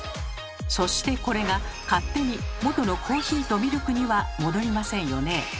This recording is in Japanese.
そしてこれが勝手に元のコーヒーとミルクには戻りませんよね。